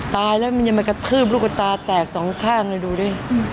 ตายแล้วมันจะมากระทืบลูกตาแตกสองข้างเลยดูดิ